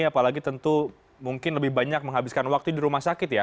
apalagi tentu mungkin lebih banyak menghabiskan waktu di rumah sakit ya